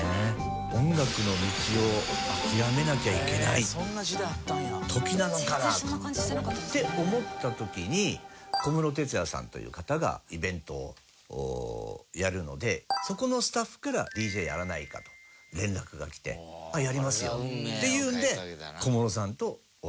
音楽の道を諦めなきゃいけない時なのかなって思った時に小室哲哉さんという方がイベントをやるのでそこのスタッフから「ＤＪやらないか？」と連絡が来て「やりますよ」っていうんで。